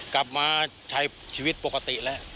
กลับมาใช้ชีวิตปกติแล้ว